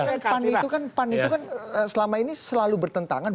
kalau kita lihat kan pan itu selama itu selalu bertentangan